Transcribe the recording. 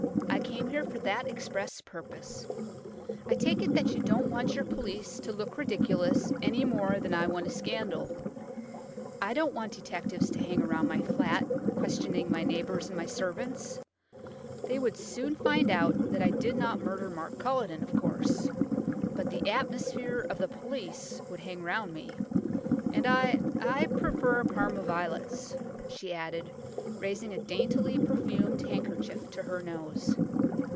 I came here for that express purpose. I take it that you don't want your police to look ridiculous any more than I want a scandal. I don't want detectives to hang about round my flat, questioning my neighbours and my servants. They would soon find out that I did not murder Mark Culledon, of course; but the atmosphere of the police would hang round me, and I–I prefer Parma violets," she added, raising a daintily perfumed handkerchief to her nose.